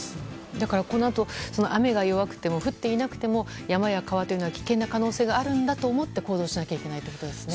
だからこのあと、雨が弱くても降っていなくても山や川は危険な可能性があると思って行動しなきゃいけないってことですね。